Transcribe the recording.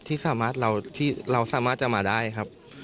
ที่เราสามารถจะมาได้ครับ